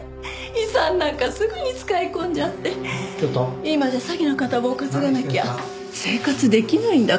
遺産なんかすぐに使い込んじゃって今じゃ詐欺の片棒担がなきゃ生活できないんだから。